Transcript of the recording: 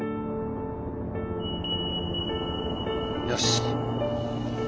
よし！